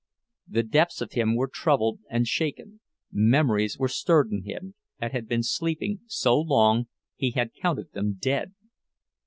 The depths of him were troubled and shaken, memories were stirred in him that had been sleeping so long he had counted them dead.